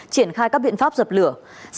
triển khai các biện pháp dập lửa